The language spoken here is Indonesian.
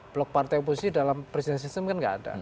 blok partai oposisi dalam presidensial sistem kan gak ada